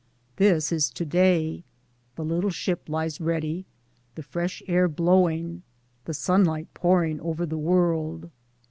Towards Democracy 7 This is to day : the little ship lies ready, the fresh air blowing, the sunlight pouring over the world.